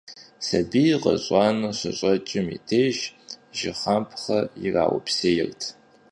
Сабий къыщӀанэу щыщӀэкӀым и деж, жыхапхъэ ираупсейрт.